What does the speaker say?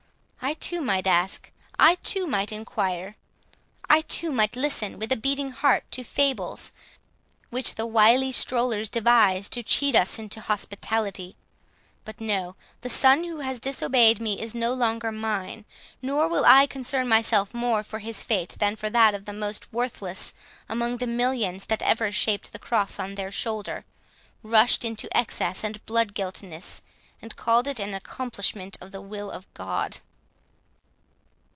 I too might ask—I too might enquire—I too might listen with a beating heart to fables which the wily strollers devise to cheat us into hospitality—but no—The son who has disobeyed me is no longer mine; nor will I concern myself more for his fate than for that of the most worthless among the millions that ever shaped the cross on their shoulder, rushed into excess and blood guiltiness, and called it an accomplishment of the will of God."